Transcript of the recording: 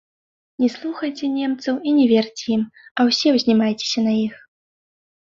Не слухайце немцаў і не верце ім, а ўсе ўзнімайцеся на іх.